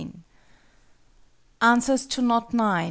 ANSWERS TO KNOT IX.